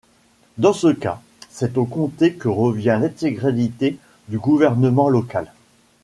Dans ce cas, c'est au comté que revient l'intégralité du gouvernement local.